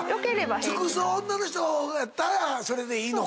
尽くす女の人やったらいいのか。